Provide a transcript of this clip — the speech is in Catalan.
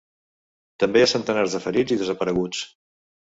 També hi ha centenars de ferits i desapareguts.